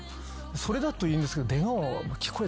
それだといいんですけど。